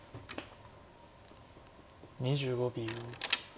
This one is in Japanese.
２５秒。